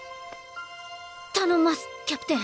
頼んますキャプテン。